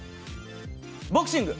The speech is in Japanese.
ボクシング！